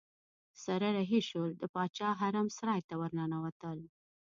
سره رهي شول د باچا حرم سرای ته ورننوتل.